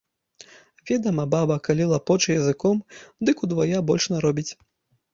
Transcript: Ведама, баба, калі лапоча языком, дык удвая больш наробіць.